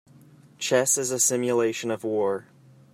Chess is a simulation of war.